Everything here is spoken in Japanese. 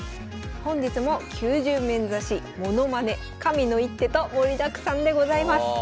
本日も「９０面指し」「ものまね」「神の一手」と盛りだくさんでございます。